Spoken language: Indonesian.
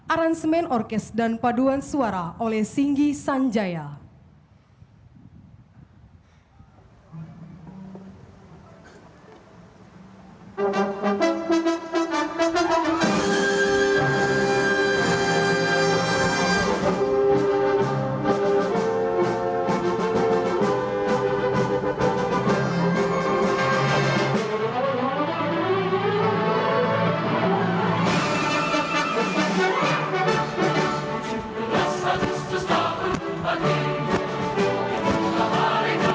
aransemen orkes dan paduan suara nasional